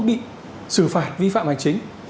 bị xử phạt vi phạm hành chính